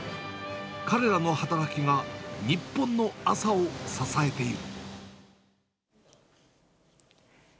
彼らの働きが日本の朝を支えている。